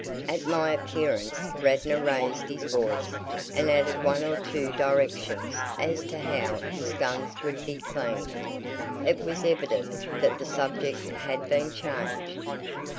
At my appearance Radnor raised his voice and added one or two directions as to how his guns were to be cleaned. It was evident that the subject had been changed.